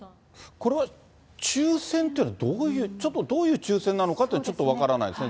これは抽せんというのはどういう、ちょっとどういう抽せんなのかっていうのは、ちょっと分からないですね。